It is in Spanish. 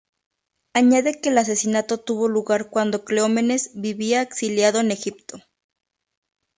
Añade que el asesinato tuvo lugar cuando Cleómenes vivía exiliado en Egipto.